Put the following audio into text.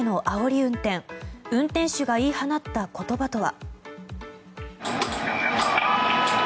運転手が言い放った言葉とは。